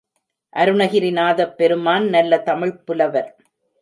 அருணகிரிநாதப் பெருமான் நல்ல தமிழ்ப் புலவர்.